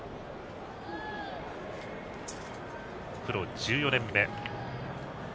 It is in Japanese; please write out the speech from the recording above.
プロ１４年目。